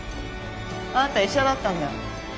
あんた医者だったんだ。